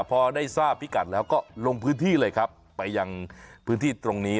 พอได้ทราบพิกัดแล้วก็ลงพื้นที่เลยครับไปยังพื้นที่ตรงนี้